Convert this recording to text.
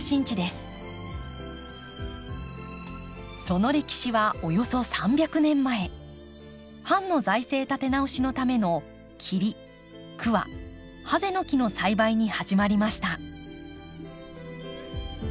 その歴史はおよそ３００年前藩の財政立て直しのための桐桑櫨の木の栽培に始まりました。